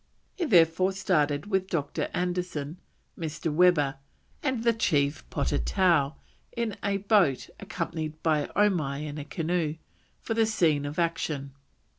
He therefore started with Dr. Anderson, Mr. Webber, and the chief Potatow in a boat, accompanied by Omai in a canoe, for the scene of action.